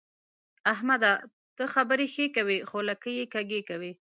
احمده! ته خبرې ښې کوې خو لکۍ يې کږې کوي.